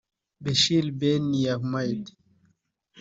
Béchir Ben Yahmed